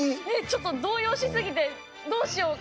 ちょっと動揺しすぎてどうしよう